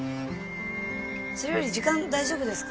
それより時間大丈夫ですか？